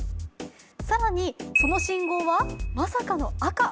更にその信号は、まさかの赤。